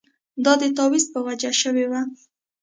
دا د تاویز په وجه شوې وه.